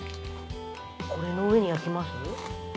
◆これの上に焼きます？